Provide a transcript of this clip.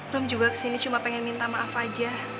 belum juga kesini cuma pengen minta maaf aja